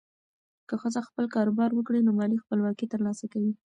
که ښځه خپل کاروبار وکړي، نو مالي خپلواکي ترلاسه کوي.